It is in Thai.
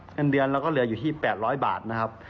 เงินเดือนเราก็เหลืออยู่ที่๘๐๐บาทนะครับ